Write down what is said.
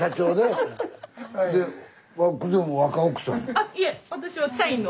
はい。